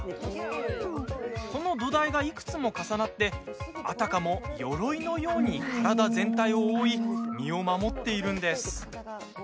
この土台がいくつも重なってあたかもよろいのように体全体を覆い身を守っているんです。